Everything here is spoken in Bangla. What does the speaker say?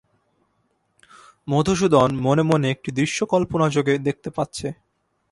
মধুসূদন মনে মনে একটি দৃশ্য কল্পনাযোগে দেখতে পাচ্ছে।